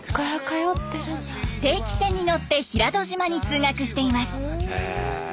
定期船に乗って平戸島に通学しています。